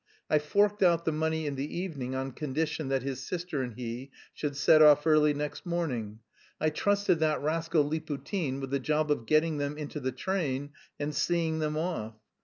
"I forked out the money in the evening on condition that his sister and he should set off early next morning; I trusted that rascal Liputin with the job of getting them into the train and seeing them off.